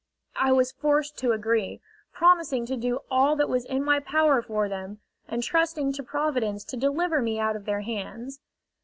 I was forced to agree, promising to do all that was in my power for them, and trusting to Providence to deliver me out of their hands.